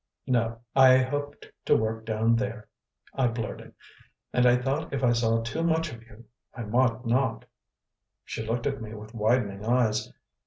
"No; I hoped to work down here," I blurted. "And I thought if I saw too much of you I might not." She looked at me with widening eyes.